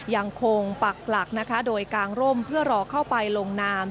ปักหลักนะคะโดยกางร่มเพื่อรอเข้าไปลงนาม